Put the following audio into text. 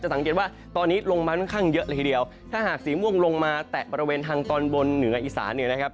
สังเกตว่าตอนนี้ลงมาค่อนข้างเยอะเลยทีเดียวถ้าหากสีม่วงลงมาแตะบริเวณทางตอนบนเหนืออีสานเนี่ยนะครับ